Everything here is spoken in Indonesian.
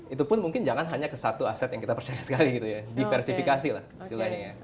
itu pun mungkin jangan hanya ke satu aset yang kita percaya sekali gitu ya diversifikasi lah istilahnya ya